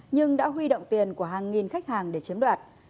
nhưng đã huy động tiền của hàng nghìn khách hàng để chiếm đoạt